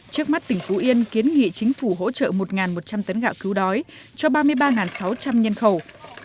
trước mắt tỉnh phú yên kiến nghị chính phủ hỗ trợ một một trăm linh tấn gạo cứu đói cho ba mươi ba sáu trăm linh nhân khẩu